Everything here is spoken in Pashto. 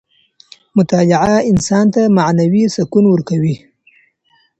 مطالعه انسان ته معنوي سکون ورکوي.